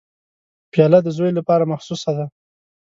پیاله د زوی لپاره مخصوصه ده.